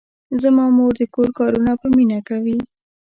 زما مور د کور کارونه په مینه کوي.